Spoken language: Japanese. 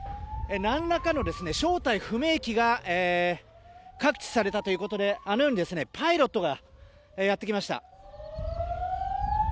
なんらかの正体不明機が覚知されたということであのようにパイロットがやってきました。